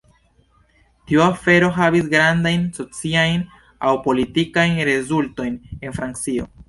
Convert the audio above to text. Tiu afero havis gravajn sociajn aŭ politikajn rezultojn en Francio.